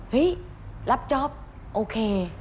เฮ้ยรับจอบโอเค